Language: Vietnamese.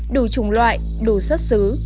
đủ trùng loại đủ xuất xứ